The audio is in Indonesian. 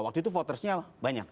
waktu itu votersnya banyak